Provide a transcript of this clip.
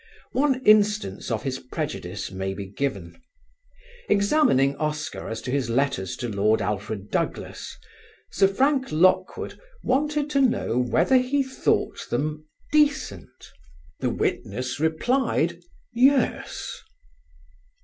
One instance of his prejudice may be given. Examining Oscar as to his letters to Lord Alfred Douglas, Sir Frank Lockwood wanted to know whether he thought them "decent"? The witness replied, "Yes."